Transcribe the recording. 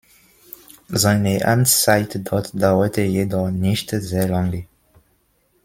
Seine Amtszeit dort dauerte jedoch nicht sehr lange.